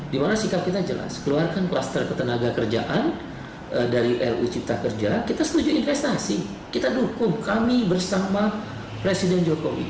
dimana sikap kita jelas keluarkan kluster ketenaga kerjaan dari ruu cipta kerja kita setuju investasi kita dukung kami bersama presiden jokowi